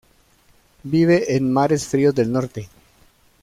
Vive en mares fríos del norte.